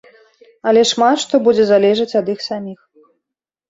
Але шмат што будзе залежаць ад іх саміх.